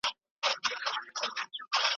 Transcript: خو شرایط د هغوی ژوند نه پرېږدي.